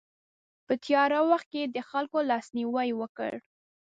په تیاره وخت کې یې د خلکو لاسنیوی وکړ.